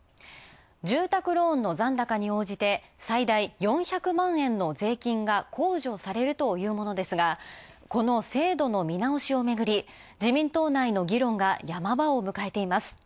住宅ローンの残高に応じて最大４００万円の税金が控除されるというものですがこの制度の見直しをめぐり自民党内の議論が山場を迎えています。